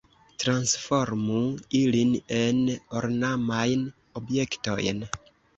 Transformu ilin en ornamajn objektojn!